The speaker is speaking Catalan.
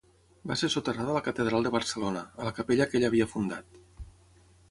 Va ser soterrada a la catedral de Barcelona, a la capella que ella havia fundat.